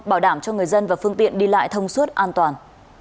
bảo đảm cho người dân và phương tiện đi lại thông suốt an toàn